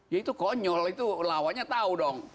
ya itu konyol itu lawannya tahu dong